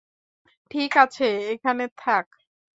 ঠিক আছে, এখানে থাক।